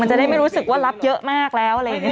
จะได้ไม่รู้สึกว่ารับเยอะมากแล้วอะไรอย่างนี้